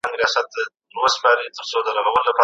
حضرت عایشه رضي الله عنها د علم سرچینه وه.